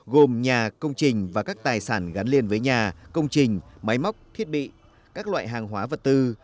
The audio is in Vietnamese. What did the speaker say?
gồm nhà công trình và các tài sản gắn liền với nhà công trình máy móc thiết bị các loại hàng hóa vật tư